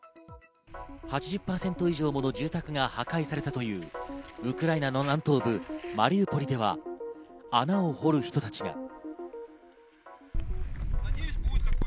８０％以上もの住宅が破壊されたというウクライナの南東部マリウポリでは穴を掘る人たちが。